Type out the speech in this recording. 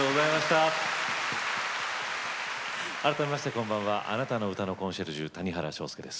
改めましてあなたの歌のコンシェルジュ谷原章介です。